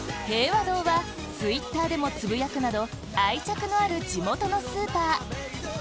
平和堂はＴｗｉｔｔｅｒでもつぶやくなど愛着のある地元のスーパー